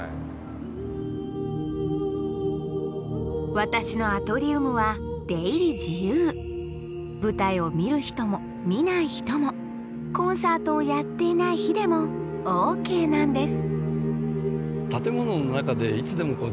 私のアトリウムは舞台を見る人も見ない人もコンサートをやっていない日でもＯＫなんです。